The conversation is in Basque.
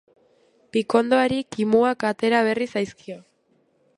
Pikondoari kimuak atera berri zaizkio.